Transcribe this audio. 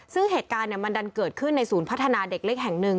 ซึ่งเหตุการณ์มันดันเกิดขึ้นในศูนย์พัฒนาเด็กเล็กแห่งหนึ่ง